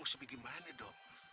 terus engkong harus gimane dong